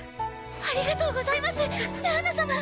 ありがとうございますラーナ様！